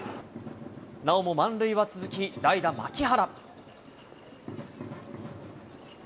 なおも満塁は続き、代打、牧原。